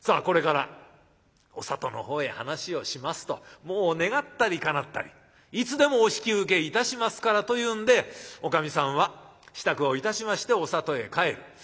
これからお里の方へ話をしますともう願ったりかなったりいつでもお引き受けいたしますからというんでおかみさんは支度をいたしましてお里へ帰る。